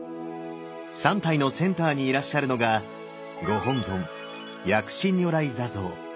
３体のセンターにいらっしゃるのがご本尊薬師如来坐像。